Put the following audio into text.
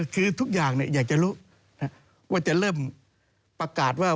คือทุกอย่างอยากจะรู้ว่าจะเริ่มประกาศว่า